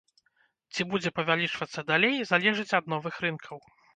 Ці будзе павялічвацца далей, залежыць ад новых рынкаў.